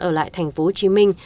ở lại thành phố hồ chí minh